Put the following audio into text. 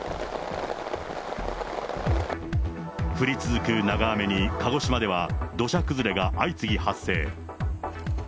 降り続く長雨に鹿児島では、土砂崩れが相次ぎ発生。